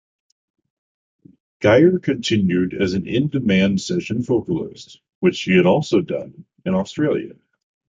Geyer continued as an in-demand session vocalist, which she had also done in Australia.